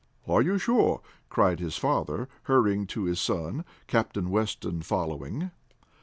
"Are you sure?" cried his father, hurrying to his son, Captain Weston following.